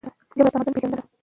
ژبه د تمدن پیژندنه ده.